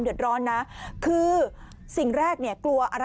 สุดยอดดีแล้วล่ะ